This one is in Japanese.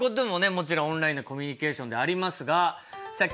もちろんオンラインのコミュニケーションでありますがさあ今日はですね